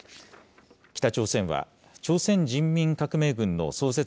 北朝鮮は朝鮮人民革命軍の創設